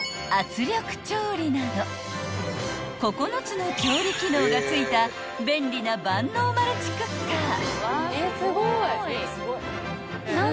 ［９つの調理機能が付いた便利な万能マルチクッカー］